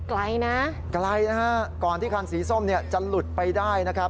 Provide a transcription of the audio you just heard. ไกลนะครับกลายนะครับก่อนที่คันสีส้มจะหลุดไปได้นะครับ